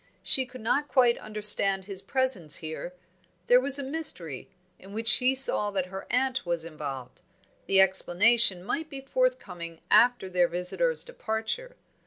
She could not quite understand his presence here; there was a mystery, in which she saw that her aunt was involved; the explanation might be forthcoming after their visitor's departure.